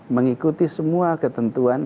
mengikuti semua ketentuan